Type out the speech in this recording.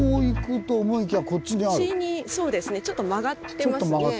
そうですねちょっと曲がってますね。